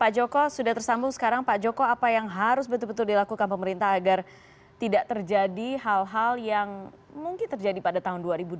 pak joko sudah tersambung sekarang pak joko apa yang harus betul betul dilakukan pemerintah agar tidak terjadi hal hal yang mungkin terjadi pada tahun dua ribu dua puluh